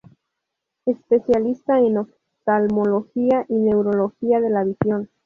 Especialista en oftalmología y neurología de la visión.